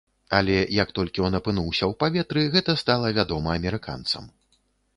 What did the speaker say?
Але як толькі ён апынуўся ў паветры, гэта стала вядома амерыканцам.